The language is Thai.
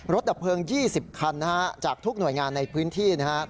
ดับเพลิง๒๐คันจากทุกหน่วยงานในพื้นที่นะครับ